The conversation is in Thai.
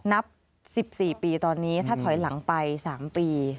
นับ๑๔ปีตอนนี้ถ้าถอยหลังไป๓ปี